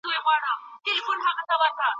هغوی تر اوسه ولور نه دی اداء کړی.